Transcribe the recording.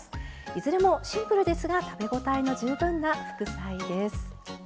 いずれもシンプルですが食べ応えの十分な副菜です。